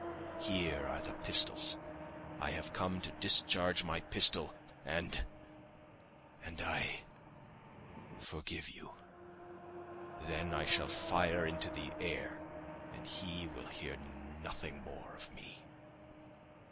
Here are pistols. I have come to discharge my pistol and ... and I ... forgive you. Then I shall fire into the air and he will hear nothing more of me...."